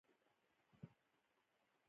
پیلوټ وخندل او وویل چې زه د لوګر یم.